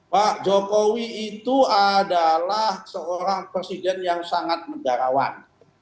pak jokowi itu adalah seorang presiden yang sangat negarawan